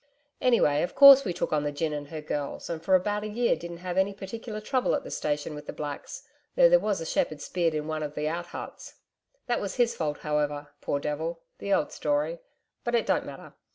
Anyway, of course we took on the gin and her girls, and for about a year didn't have any particular trouble at the station with the blacks though there was a shepherd speared in one of the out huts.... That was his fault, however, poor devil the old story but it don't matter.